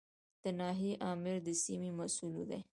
د ناحیې آمر د سیمې مسوول دی